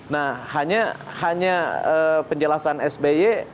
nah hanya penjelasan sby